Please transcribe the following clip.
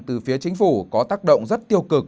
từ phía chính phủ có tác động rất tiêu cực